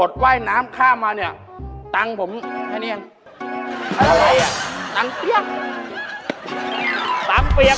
สวัสดีครับ